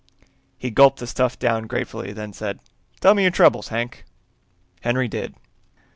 He gulped the stuff down gratefully, then said, "Tell me your troubles, Hank." Henry did.